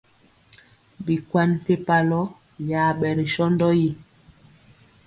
Bikwan mpempalɔ yaɓɛ ri sɔndɔ yi.